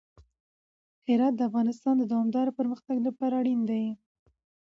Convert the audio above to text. هرات د افغانستان د دوامداره پرمختګ لپاره اړین دی.